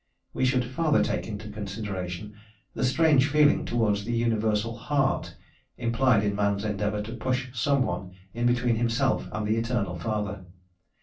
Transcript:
We should further take into consideration the strange feeling towards the Universal Heart implied in man's endeavour to push some one in between himself and the Eternal Father.